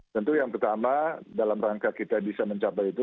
tentu yang pertama dalam rangka kita bisa mencapai itu